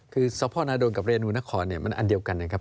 คือสรนกับรรนเป็นอันเดียวกันนะครับ